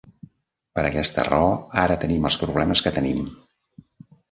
Per aquesta raó ara tenim els problemes que tenim.